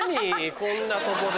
こんなとこで。